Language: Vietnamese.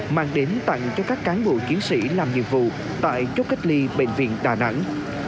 mang đến tặng cho các cán bộ chiến sĩ làm nhiệm vụ tại chốt cách ly bệnh viện đà nẵng